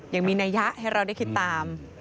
ยังมีนัยยะให้เราได้คิดตาม